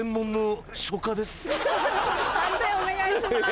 判定お願いします。